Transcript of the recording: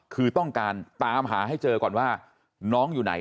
คือต้องการตามหาให้เจอก่อนว่าน้องอยู่ไหน